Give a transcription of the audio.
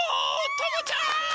ともちゃん！